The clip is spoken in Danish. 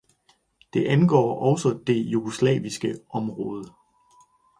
Det angår også det jugoslaviske område.